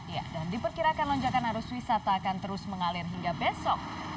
ya dan diperkirakan lonjakan arus wisata akan terus mengalir hingga besok